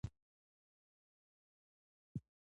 دا د هند جالب انځور دی.